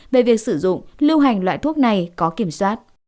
về việc sử dụng lưu hành loại thuốc này có kiểm soát